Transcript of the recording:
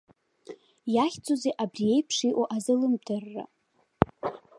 Иахьӡузеи абри еиԥш иҟоу азалымдарра?